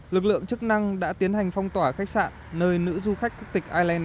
lực lượng chức năng đã tiến hành phong tỏa khách sạn nơi nữ du khách quốc tịch ireland